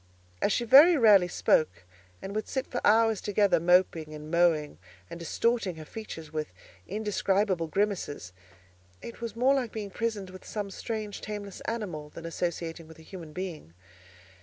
As she very rarely spoke, and would sit for hours together moping and mowing, and distorting her features with indescribable grimaces, it was more like being prisoned with some strange tameless animal, than associating with a human being.